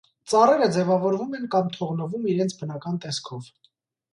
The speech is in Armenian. Ծառերը ձևավորվում են կամ թողնվում իրենց բնական տեսքով։